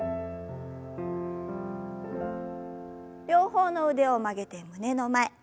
両方の腕を曲げて胸の前。